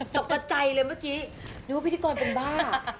ตกกระใจเลยเมื่อกี้นึกว่าพิธีกรเป็นบ้า